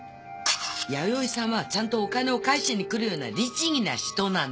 弥生さんはちゃんとお金を返しにくるような律儀な人なの！